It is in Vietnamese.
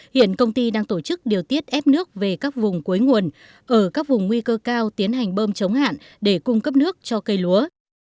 hiện công ty đang tổ chức điều tiết ép nước về các vùng cuối nguồn ở các vùng nguy cơ cao tiến hành bơm chống hạn để cung cấp nước cho cây lúa